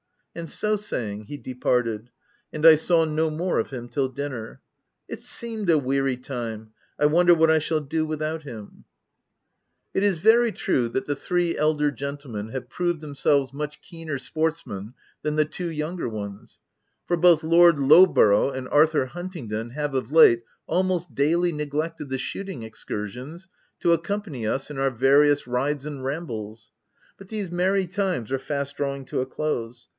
And so saying he departed ; and I saw no more of him till dinner. It seemed a weary time : I wonder what I shall do without him." OF WILDFELL HALL. 29 It is very true that the three elder gentle men have proved themselves much keener sportsmen than the two younger ones ; for both Lord Lowborough and Arthur Huntingdon have of late, almost daily neglected the shoot ing excursions to accompany us in our various rides and rambles. But these merry times are fast drawing to a close.